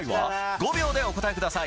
５秒でお答えください。